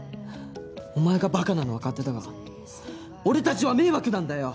お前が馬鹿なのは勝手だが俺たちは迷惑なんだよ！